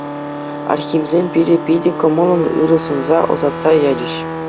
Архимсем пире питӗ кӑмӑллӑн ырӑ сунса ӑсатса ячӗҫ.